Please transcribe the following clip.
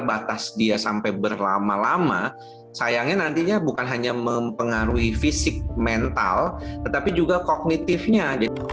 batas dia sampai berlama lama sayangnya nantinya bukan hanya mempengaruhi fisik mental tetapi juga kognitifnya